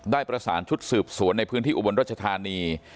ได้ประสานชุดสืบสวนในพื้นที่อุบลรัชธานี